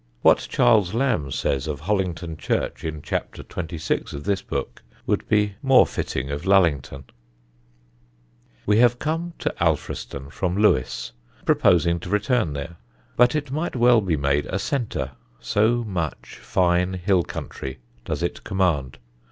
What Charles Lamb says of Hollington church in Chapter XXXVI. of this book, would be more fitting of Lullington. [Sidenote: HILL WALKS] We have come to Alfriston from Lewes, proposing to return there; but it might well be made a centre, so much fine hill country does it command.